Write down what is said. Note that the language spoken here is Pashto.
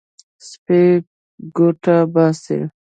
سپی ګوته باسي.